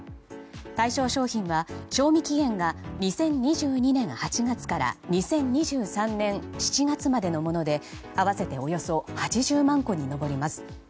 対象商品は賞味期限が２０２２年８月から２０２３年７月までのもので合わせておよそ８０万個に上ります。